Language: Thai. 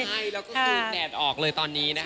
ใช่แล้วก็คือแดดออกเลยตอนนี้นะคะ